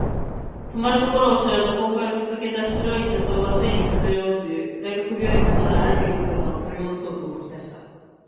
止まるところを知らず崩壊を続けた白い巨塔はついに崩れ落ち、大学病院は本来のあるべき姿を取り戻そうと動き出した。